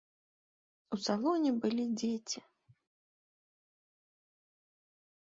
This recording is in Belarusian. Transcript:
У салоне былі дзеці.